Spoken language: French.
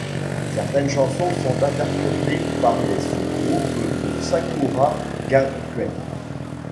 Certaines chansons sont interprétées par les sous-groupes de Sakura Gakuin.